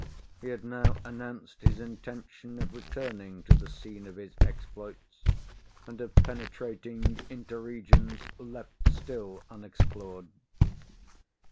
He had now announced his intention of returning to the scene of his exploits, and of penetrating into regions left still unexplored.